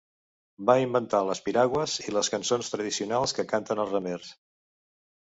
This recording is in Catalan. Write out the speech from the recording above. Va inventar les piragües i les cançons tradicionals que canten els remers.